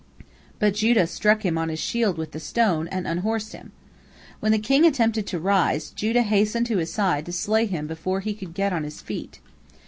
But Judah struck him on his shield with the stone, and unhorsed him. When the king attempted to rise, Judah hastened to his side to slay him before he could get on his feet.